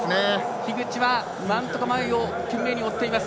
樋口は前を懸命に追っています。